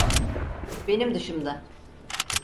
Benim dışımda.